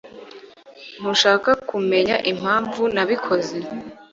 Ntushaka kumenya impamvu nabikoze?